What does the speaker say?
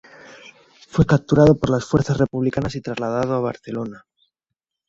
Fue capturado por las fuerzas republicanas y trasladado a Barcelona.